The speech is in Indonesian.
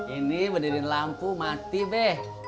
ini berdiri lampu mati be